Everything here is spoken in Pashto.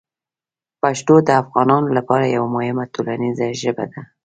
پښتو د افغانانو لپاره یوه مهمه ټولنیزه ژبه ده.